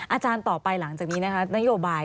อาจารย์ต่อไปหลังจากนี้นะคะนโยบาย